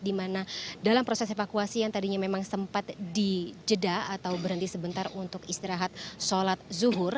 di mana dalam proses evakuasi yang tadinya memang sempat dijeda atau berhenti sebentar untuk istirahat sholat zuhur